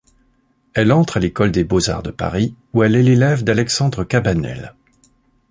Elle entre à l'École des beaux-arts de Paris où elle est l'élève d'Alexandre Cabanel.